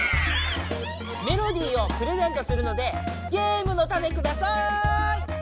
メロディーをプレゼントするのでゲームのタネください！